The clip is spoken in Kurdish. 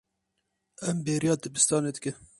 Em bêriya dibistanê dikin.